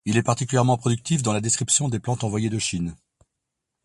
Il est particulièrement productif dans la description de plantes envoyées de Chine.